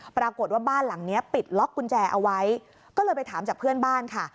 ปรากฏว่าบ้านหลังนี้ปิดล็อกกุญแจเอาไว้ก็เลยไปถามจากเพื่อนบ้านค่ะ